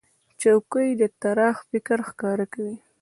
چوکۍ د طراح فکر ښکاره کوي.